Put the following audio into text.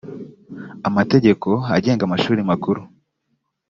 amategeko agenga amashuri makuru